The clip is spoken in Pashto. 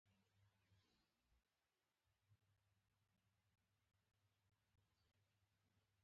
په خرما کې طبیعي فایبر شته.